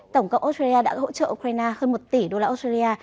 tổng cộng australia đã hỗ trợ ukraine hơn một tỷ đô la australia